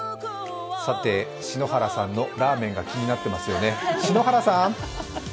さて篠原さんのラーメンが気になっていますよね。